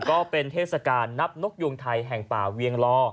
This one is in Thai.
ก็เป็นเทศกาลนับนกยูงไทยแห่งป่าเวียงลอ